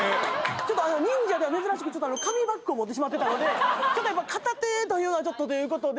ちょっと忍者では珍しく紙バッグを持ってしまってたので片手というのはちょっとということで。